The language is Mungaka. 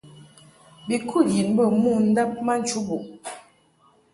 Bi kud yin bɛ mo ndab ma nchubuʼ.